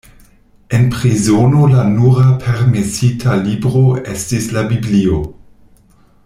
En prizono la nura permesita libro estis la Biblio.